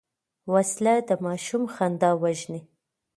وسله د ماشوم خندا وژني